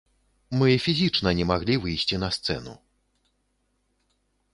Мы фізічна не маглі выйсці на сцэну.